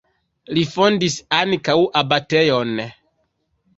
Li fondis ankaŭ abatejon.